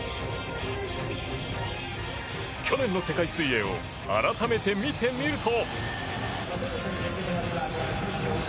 去年の世界水泳を改めて見てみると。